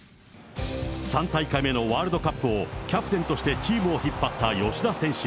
３大会目のワールドカップを、キャプテンとしてチームを引っ張った吉田選手。